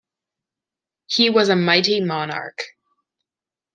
He was a mighty monarch.